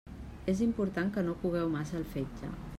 És important que no cogueu massa el fetge.